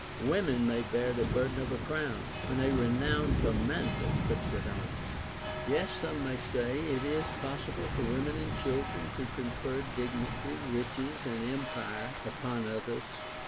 Women may bear the burden of a crown, Wlien a renowned commander puts it on* Yet some may say, it is possible for women and chil dren to confer dignity, riches, and empire upon others.